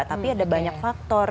tapi ada banyak faktor